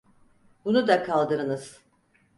Bunu da kaldırınız.